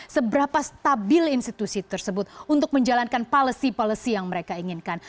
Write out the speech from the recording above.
seberapa stabil institusi tersebut untuk menjalankan policy policy yang mereka inginkan